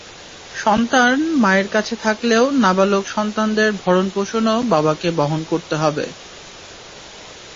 সন্তান মায়ের কাছে থাকলেও নাবালক সন্তানদের ভরণপোষণও বাবাকে বহন করতে হবে।